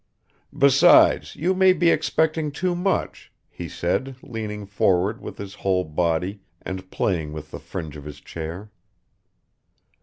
"Besides, you may be expecting too much," he said, leaning forward with his whole body and playing with the fringe of his chair.